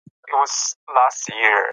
انا وویل چې زه باید صبر وکړم.